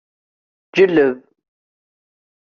Ǧelleb.